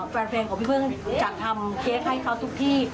แฟนของพี่พึ่งจัดทำเค้กให้เขาทุกที่